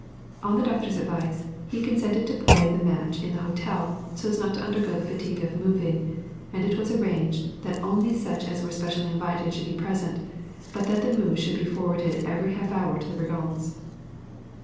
On the doctor's advice, he consented to play the match in the hotel, so as not to undergo the fatigue of moving, and it was arranged that only such as were specially invited should be present, but that the moves should be forwarded every half hour to the Régence.